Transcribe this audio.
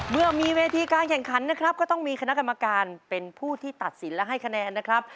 เมื่อมีเวทีการแข่งขันนะครับก็ต้องมีคณะกรรมการเป็นผู้ที่ตัดสินและให้คะแนนนะครับ